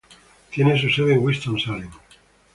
Tiene su sede en Winston-Salem.